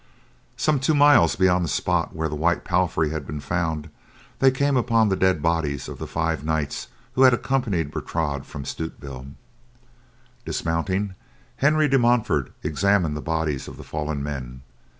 Some two miles beyond the spot where the white palfrey had been found, they came upon the dead bodies of the five knights who had accompanied Bertrade from Stutevill. Dismounting, Henry de Montfort examined the bodies of the fallen men.